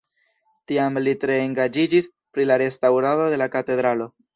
Tiam li tre engaĝiĝis pri la restaŭrado de la katedralo.